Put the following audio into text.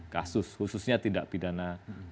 kasus khususnya tidak pidana